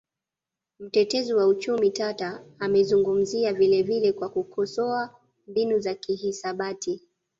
Mtetezi wa uchumi tata amezungumzia vilevile kwa kukosoa mbinu za kihisabati